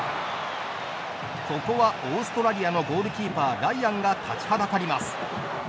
ここはオーストラリアのゴールキーパーライアンが立ちはだかります。